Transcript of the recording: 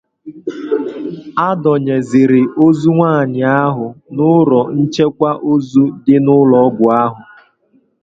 a dọnyezịrị ozu nwaanyị ahụ n'ụlọ nchekwa ozu dị n'ụlọọgwụ ahụ.